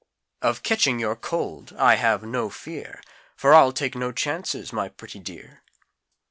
"Of catching your cold I have no fear, For I'll take no chances, my pretty dear!"